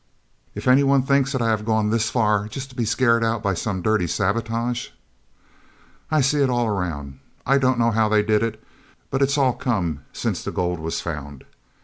"If anyone thinks that I have gone this far, just to be scared out by some dirty sabotage.... "I see it all. I don't know how they did it, but it's all come since the gold was found.